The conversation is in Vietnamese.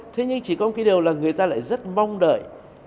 thế nhưng chỉ có một cái điều là người ta lại rất mong đợi